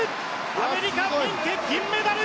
アメリカ、フィンケ銀メダル。